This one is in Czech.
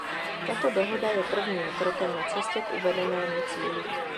Tato dohoda je prvním krokem na cestě k uvedenému cíli.